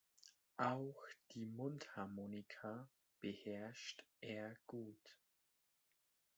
Auch die Mundharmonika beherrscht er gut.